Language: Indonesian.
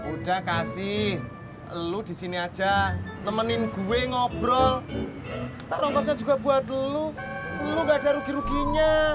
udah kasih lu di sini aja nemenin gue ngobrol taro kosnya juga buat lu lu nggak ada rugi ruginya